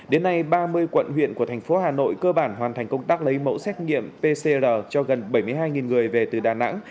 đến nay ba mươi quận huyện của thành phố hà nội cơ bản hoàn thành công tác lấy mẫu xét nghiệm pcr cho gần bảy mươi hai người về từ đà nẵng